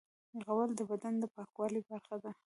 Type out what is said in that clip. غول د بدن د پاکوالي برخه ده.